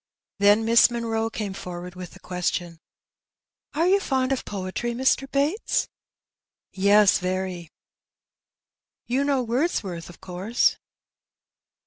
Then Miss Munroe came forward with the question —^^ Are you fond of poetry, Mr. Bates? '* "Yes, very." " You know Wordsworth, of course